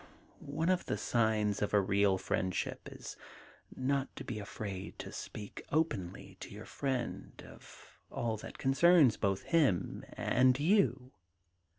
*One of the signs of a real friendship is not to be afraid to speak openly to your friend of all that concerns both him and you.'